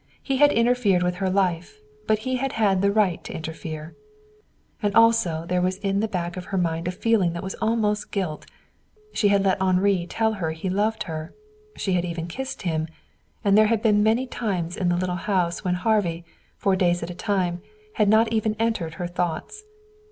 He had interfered with her life, but he had had the right to interfere. And also there was in the back of her mind a feeling that was almost guilt. She had let Henri tell her he loved her. She had even kissed him. And there had been many times in the little house when Harvey, for days at a time, had not even entered her thoughts.